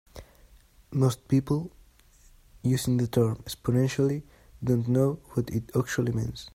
Most people using the term "exponentially" don't know what it actually means.